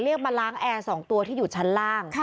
มาล้างแอร์๒ตัวที่อยู่ชั้นล่าง